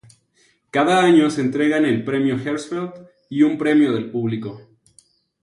Cada año se entregan el Premio Hersfeld y un premio del público.